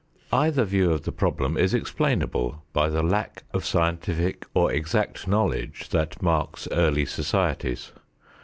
Either view of the problem is explainable by the lack of scientific or exact knowledge that marks early societies.